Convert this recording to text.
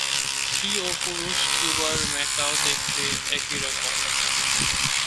স্ত্রী ও পুরুষ কিউবার ম্যাকাও দেখতে একই রকম।